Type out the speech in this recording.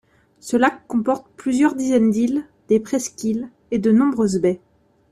Ce lac comporte plusieurs dizaines d’îles, des presqu’îles et de nombreuses baies.